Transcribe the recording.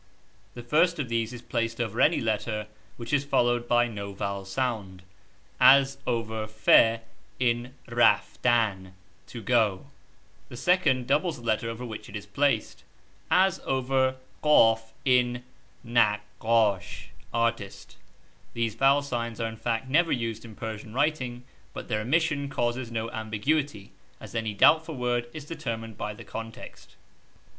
The first of these is placed over any letter which is followed by no vowel sound, as over \ in ^^J. raftan (to go) ; the second doubles the letter over which it is placed, as over <J iu ^Iju pronounced naq qdsh (artist). These vowel signs are in fact never used in Persian writing, but their omission causes no ambiguity, as any doubtful word is determined by the context.